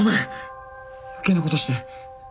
余計なことして。